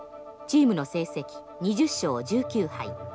チームの成績２０勝１９敗。